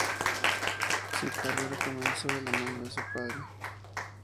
Su carrera comenzó de la mano de su padre.